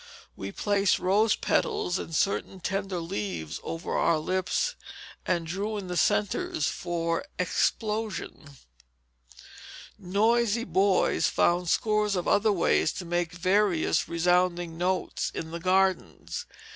We placed rose petals and certain tender leaves over our lips, and drew in the centres for explosion. [Illustration: Spanish Dolls] Noisy boys found scores of other ways to make various resounding notes in the gardens.